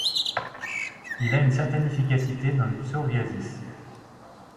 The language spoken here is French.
Il a une certaine efficacité dans le psoriasis.